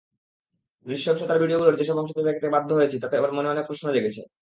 নৃশংসতার ভিডিওগুলোর যেসব অংশ দেখতে বাধ্য হয়েছি, তাতে মনে অনেক প্রশ্ন জেগেছে।